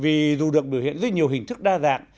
vì dù được biểu hiện dưới nhiều hình thức đa dạng